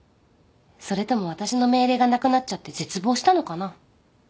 それとも私の命令がなくなっちゃって絶望したのかな？